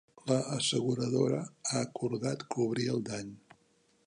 La asseguradora ha acordat cobrir el dany.